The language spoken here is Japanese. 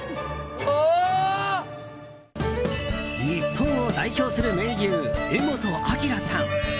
日本を代表する名優・柄本明さん。